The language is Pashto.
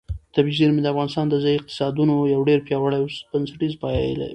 طبیعي زیرمې د افغانستان د ځایي اقتصادونو یو ډېر پیاوړی او بنسټیز پایایه دی.